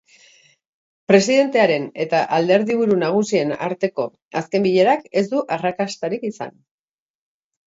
Presidentearen eta alderdiburu nagusien arteko azken bilerak ez du arrakastarik izan.